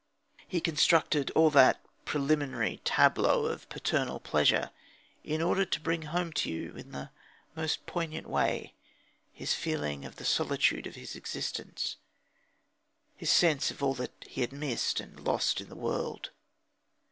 He constructed all that preliminary tableau of paternal pleasure in order to bring home to you in the most poignant way his feeling of the solitude of his existence, his sense of all that he had missed and lost in the world.